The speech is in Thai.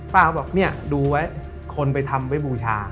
เขาบอกเนี่ยดูไว้คนไปทำไว้บูชา